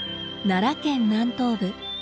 奈良県南東部。